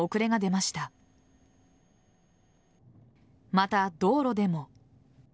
また、道路でも。